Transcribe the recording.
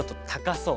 そう。